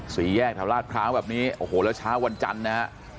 สี่แยกแถวลาดพร้าวแบบนี้โอ้โหแล้วเช้าวันจันทร์นะฮะ